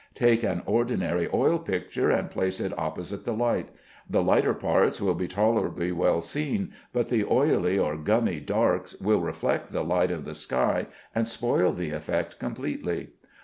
Take an ordinary oil picture and place it opposite the light. The lighter parts will be tolerably well seen, but the oily or gummy darks will reflect the light of the sky and spoil the effect completely.